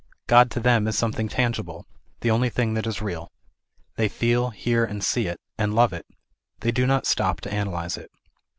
God to them is something tangible, the only thing that is real ; they feel, hear and see it, and love it ; they do not stop to analyse it.